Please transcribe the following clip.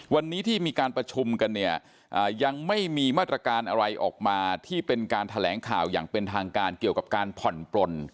วันนี้ที่มีการประชุมกันเนี่ยยังไม่มีมาตรการอะไรออกมาที่เป็นการแถลงข่าวอย่างเป็นทางการเกี่ยวกับการผ่อนปลน